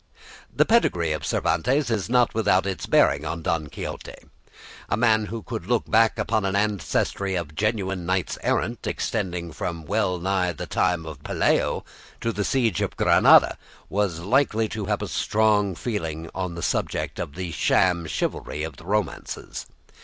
The pedigree of Cervantes is not without its bearing on "Don Quixote." A man who could look back upon an ancestry of genuine knights errant extending from well nigh the time of Pelayo to the siege of Granada was likely to have a strong feeling on the subject of the sham chivalry of the romances.